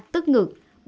ba tức ngực